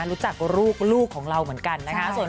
รู้จักลูกของเราเหมือนกันนะคะ